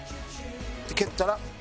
蹴ったら。